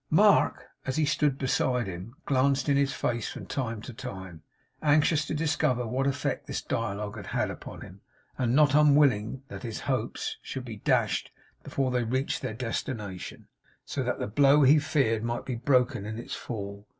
Mark, as he stood beside him, glanced in his face from time to time; anxious to discover what effect this dialogue had had upon him, and not unwilling that his hopes should be dashed before they reached their destination, so that the blow he feared might be broken in its fall.